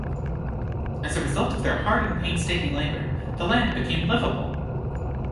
As a result of their hard and painstaking labor, the land became livable.